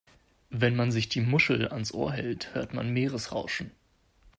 Wenn man sich die Muschel ans Ohr hält, hört man Meeresrauschen.